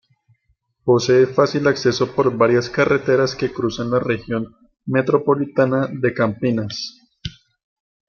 Posee fácil acceso por varias carreteras que cruzan la Región Metropolitana de Campinas.